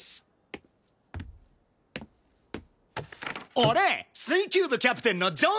俺水球部キャプテンの城島譲！